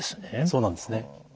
そうなんですね。